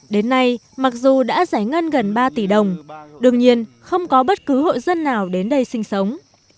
đến nay mặc dù đã giải ngân gần ba tỷ đồng đương nhiên không có bất cứ hội dân nào đến đây sinh sống